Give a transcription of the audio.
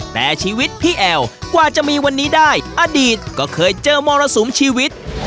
แต่ชีวิตพี่แอลกว่าจะมีวันนี้ได้อดีตก็เคยเจอมรสุมชีวิต